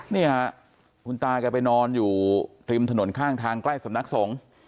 เนี่ยคุณตาแกไปนอนอยู่ริมถนนข้างทางใกล้สำนักสงฆ์